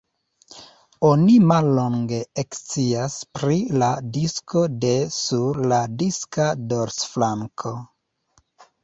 Oni mallonge ekscias pri la disko de sur la diska dorsflanko.